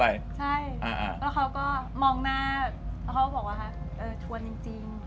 ใช่แล้วเขาก็มองหน้าแล้วเขาก็บอกว่าเออชวนจริง